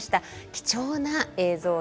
貴重な映像です。